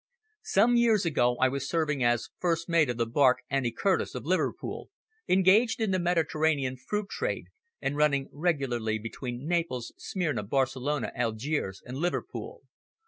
"Some years ago I was serving as first mate on the barque Annie Curtis of Liverpool, engaged in the Mediterranean fruit trade and running regularly between Naples, Smyrna, Barcelona, Algiers and Liverpool.